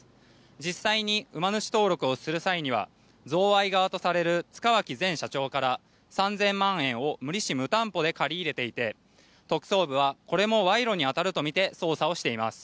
実際に馬主登録をする際には贈賄側とされる塚脇前社長から３０００万円を無利子・無担保で借り入れていて特捜部はこれも賄賂に当たるとみて捜査をしています。